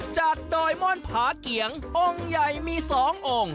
ดอยม่อนผาเกียงองค์ใหญ่มี๒องค์